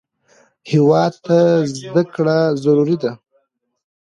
هېواد ته زده کړه ضروري ده